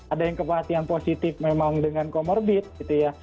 ada yang kematian positif memang dengan comorbid gitu ya